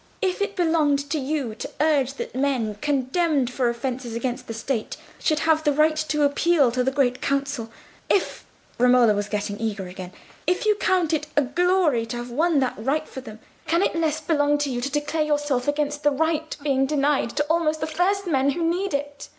If it belonged to you to urge that men condemned for offences against the State should have the right to appeal to the Great Council—if—" Romola was getting eager again—"if you count it a glory to have won that right for them, can it less belong to you to declare yourself against the right being denied to almost the first men who need it?